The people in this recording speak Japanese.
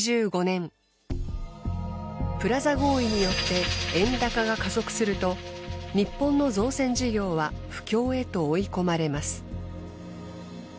プラザ合意によって円高が加速すると日本の造船事業は不況へと追い込まれます。